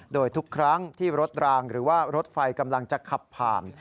โดยทุกครั้งที่รถรางหรือว่ารถไฟกำลังจะขับผ่าน